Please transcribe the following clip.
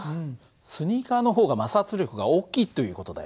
スニーカーの方が摩擦力が大きいという事だよね。